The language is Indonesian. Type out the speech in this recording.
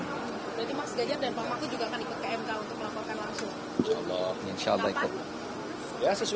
berarti mas ganjar dan pak mahfud juga akan ikut ke mk untuk melaporkan langsung